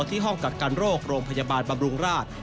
ที่ห้องกักกันโรคโรงพยาบาลบำรุงราช